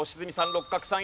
六角さん